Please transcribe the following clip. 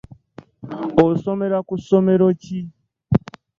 Osemera ku ssomero ki?